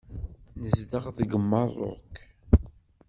Nezdeɣ deg Meṛṛuk.